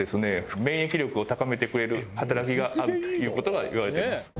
免疫力を高めてくれる働きがあるという事がいわれています。